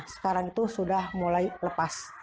sekarang itu sudah mulai lepas